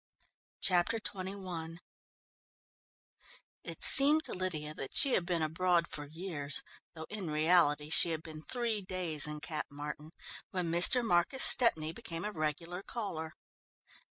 Chapter XXI It seemed to Lydia that she had been abroad for years, though in reality she had been three days in Cap Martin, when Mr. Marcus Stepney became a regular caller.